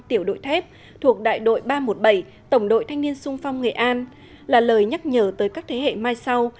tiểu đội thép thuộc đại đội ba trăm một mươi bảy tổng đội thanh niên sung phong nghệ an là lời nhắc nhở tới các thế hệ mai sau